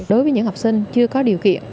đối với những học sinh chưa có điều kiện